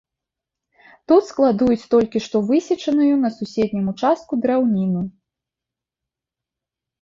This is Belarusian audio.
Тут складуюць толькі што высечаную на суседнім участку драўніну.